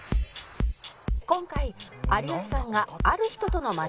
「今回有吉さんがある人との「どこ？